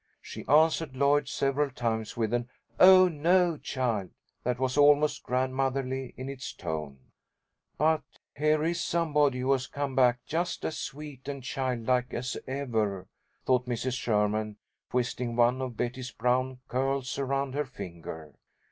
She answered Lloyd several times with an "Oh, no, child" that was almost grandmotherly in its tone. "But here is somebody who has come back just as sweet and childlike as ever," thought Mrs. Sherman, twisting one of Betty's brown curls around her finger.